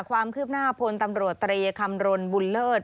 ความคืบหน้าพลตำรวจตรีคำรณบุญเลิศ